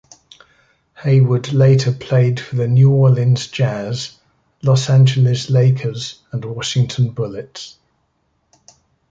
Haywood later played for the New Orleans Jazz, Los Angeles Lakers, and Washington Bullets.